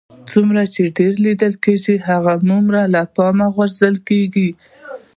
څومره چې ډېر لیدل کېږئ هغومره له پامه غورځول کېږئ